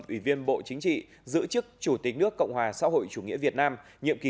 ủy viên bộ chính trị giữ chức chủ tịch nước cộng hòa xã hội chủ nghĩa việt nam nhiệm kỳ hai nghìn một mươi một hai nghìn một mươi